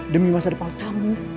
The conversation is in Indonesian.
demi masa depan kamu